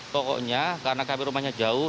pokoknya karena kami rumahnya jauh